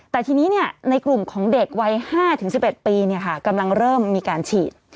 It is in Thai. แต่ทีนี้ในกลุ่มของเด็กวัย๕๑๑ปีกำลังเริ่มมีการฉีด